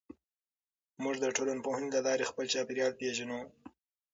موږ د ټولنپوهنې له لارې خپل چاپېریال پېژنو.